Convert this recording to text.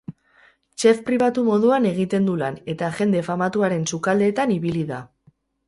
Chef pribatu moduan egiten du lan eta jende famatuaren sukaldeetan ibili da.